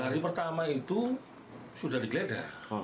hari pertama itu sudah digeledah